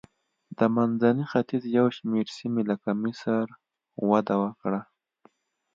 د منځني ختیځ یو شمېر سیمې لکه مصر وده وکړه.